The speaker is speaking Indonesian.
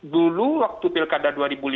dulu waktu pilkada dua ribu lima belas